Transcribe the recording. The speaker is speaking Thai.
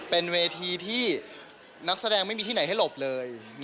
เป็นเวทีที่นักแสดงไม่มีที่ไหนให้หลบเลย